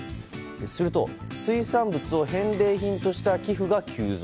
すると水産物を返礼品とした寄付が急増。